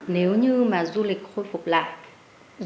nếu như mà du lịch khôi phục lại